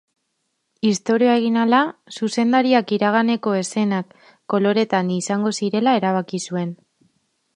Istorioa egin ahala, zuzendariak iraganeko eszenak koloretan izango zirela erabaki zuen.